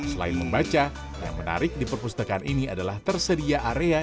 selain membaca yang menarik di perpustakaan ini adalah tersedia area